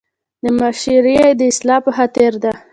د معاشري د اصلاح پۀ خاطر ده